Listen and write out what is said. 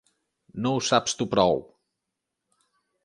No ho saps tu prou!